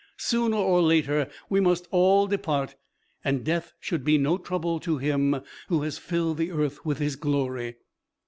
Sooner or later we must all depart, and death should be no trouble to him who has filled the earth with his glory."